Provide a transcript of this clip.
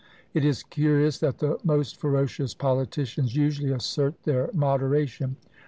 It is curious that the most ferocious politicians usually assert their moderation.